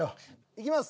いきます。